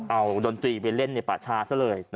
เอาดนตรีไปเล่นในป่าชาซะเลย